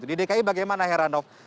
di dki bagaimana heranov